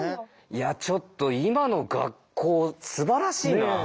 いやちょっと今の学校すばらしいなあ。